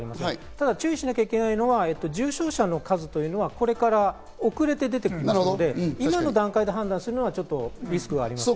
ただ注意しなければいけないのは、重症者の数はこれから遅れて出てきますので、今の段階で判断するのはリスクがあります。